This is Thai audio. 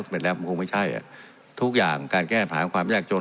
เสร็จแล้วมันคงไม่ใช่ทุกอย่างการแก้ปัญหาความยากจน